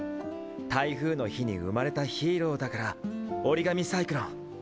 台風の日に生まれたヒーローだから折紙サイクロン。